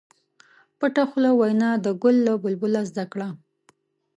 پټه خوله وینا د ګل له بلبل زده کړه.